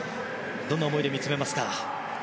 どんな思いで見つめますか？